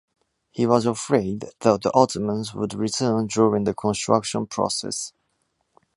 He was afraid, the Ottomans would return during the construction process.